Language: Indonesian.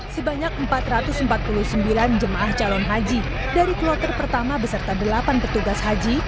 sebanyak empat ratus empat puluh sembilan jemaah calon haji dari kloter pertama beserta delapan petugas haji